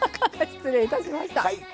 失礼いたしました。